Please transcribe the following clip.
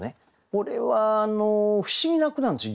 これは不思議な句なんですよ